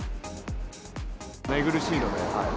寝苦しいので。